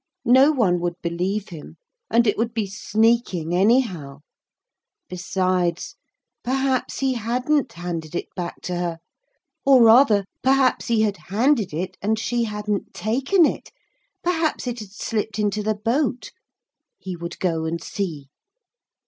No one would believe him, and it would be sneaking anyhow. Besides, perhaps he hadn't handed it back to her. Or rather, perhaps he had handed it and she hadn't taken it. Perhaps it had slipped into the boat. He would go and see.